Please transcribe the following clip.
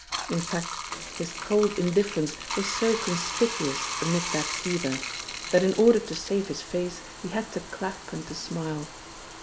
In fact, his cold indifference was so conspicuous amid that fever, that in order to save his face he had to clap and to smile.